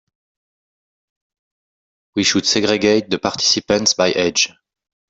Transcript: We should segregate the participants by age.